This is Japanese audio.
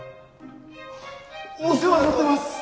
お世話になってます！